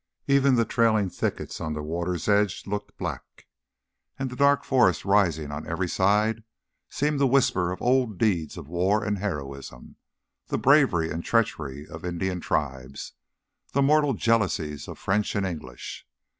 Even the trailing thickets on the water's edge looked black, and the dark forest rising on every side seemed to whisper of old deeds of war and heroism, the bravery and the treachery of Indian tribes, the mortal jealousies of French and English.